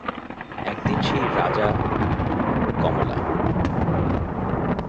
একদিন সেই রাজা– কমলা।